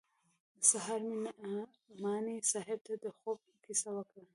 سهار مې نعماني صاحب ته د خوب کيسه وکړه.